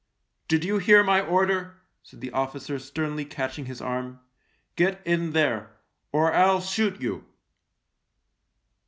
" Did you hear my order ?" said the officer sternly catching his arm. " Get in there — or I'll shoot you."